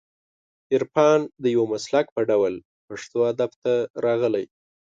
عرفان د یو مسلک په ډول پښتو ادب ته راغلی